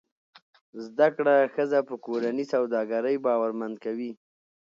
زده کړه ښځه په کورني سوداګرۍ باورمند کوي.